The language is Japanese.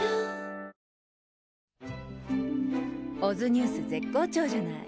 ＯＺニュース絶好調じゃない。